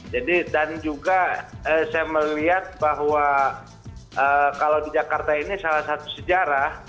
jadi dan juga saya melihat bahwa kalau di jakarta ini salah satu sejarah